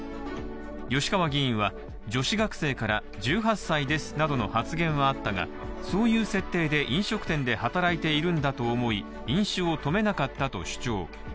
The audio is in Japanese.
吉川議員は女子学生から「１８歳です」などの発言はあったがそういう設定で飲食店で働いているんだと思い飲酒を止めなかったと主張。